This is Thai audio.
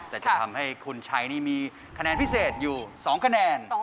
แต่จะทำให้คุณชัยนี่มีคะแนนพิเศษอยู่๒คะแนน